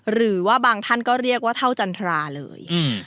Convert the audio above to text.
หรือว่าบางท่านก็เรียกว่าเท่าจันทราเลย